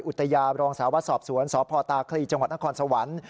อุตยาบรองสาววัดสอบสวนสพตาคลีจังหวัดนครสวรรค์